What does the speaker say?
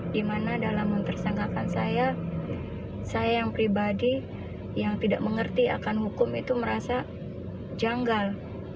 dimana dalam mempersangkakan saya saya yang pribadi yang tidak mengerti akan hukum itu merasa janggal